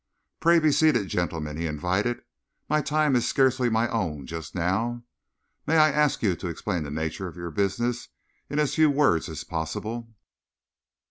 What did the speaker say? "Pray be seated, gentlemen," he invited. "My time is scarcely my own just now. May I ask you to explain the nature of your business in as few words as possible?"